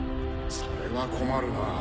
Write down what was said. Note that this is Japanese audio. それは困るなぁ